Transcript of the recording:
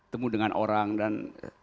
temu dengan orang dan